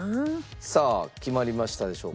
さあ決まりましたでしょうか？